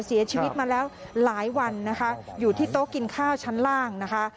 เสียชีวิตมาแล้วหลายวันนะคะอยู่ที่โต๊ะกินข้าวชั้นล่างนะคะ